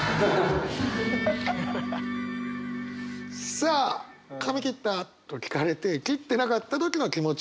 さあ「髪切った？」と聞かれて切ってなかった時の気持ち。